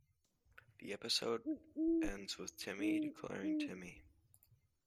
The episode ends with Timmy declaring Timmy!